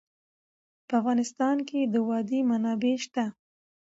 په افغانستان کې د وادي منابع شته.